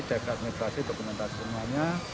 cek administrasi dokumentasi semuanya